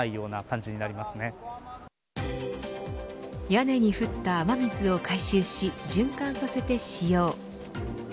屋根に降った雨水を回収し循環させて使用。